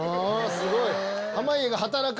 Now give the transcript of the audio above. すごい！